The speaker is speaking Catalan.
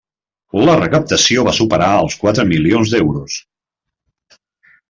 La recaptació va superar els quatre milions d'euros.